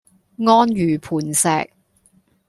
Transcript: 安如磐石